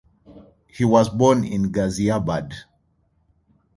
He was born in Ghaziabad.